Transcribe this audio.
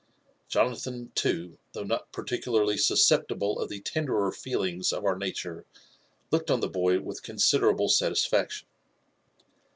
Jonathan too, though not particularly susceptible of the tenderer feelings of our nature, looked on the boy with considerable satisfaction.